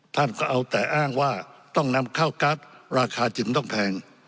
ท่านก็เอาแต่อ้างว่าต้องนำเข้ากั๊กราคาจึงต้องแพง